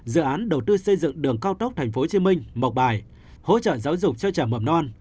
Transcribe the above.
dự án đầu tư xây dựng đường cao tốc tp hcm mộc bài hỗ trợ giáo dục cho trẻ mầm non